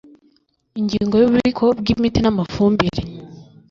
ingingo ya ububiko bw imiti n amafumbire